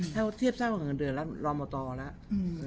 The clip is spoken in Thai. ถ้าเทียบเช่าเงินเดือนรอมาต่อแล้ว